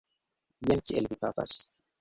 Jen kiel vi pafas!